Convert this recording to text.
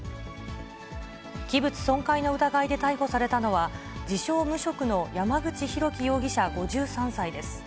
器物損壊の疑いで逮捕されたのは、自称無職の山口博基容疑者５３歳です。